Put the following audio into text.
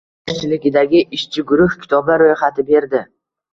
U boshchiligidagi ishchi guruh kitoblar ro‘yxati berdi.